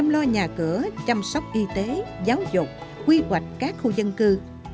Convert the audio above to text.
lo nhà cửa chăm sóc y tế giáo dục quy hoạch các khu dân cư